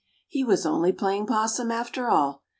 He was only playing possum after all.